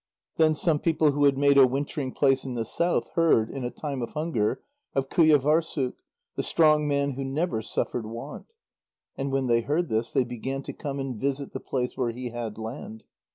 Then some people who had made a wintering place in the south heard, in a time of hunger, of Qujâvârssuk, the strong man who never suffered want. And when they heard this, they began to come and visit the place where he had land.